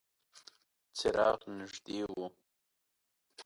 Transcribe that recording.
څراغ نږدې و.